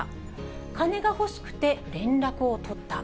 金が欲しくて連絡を取った。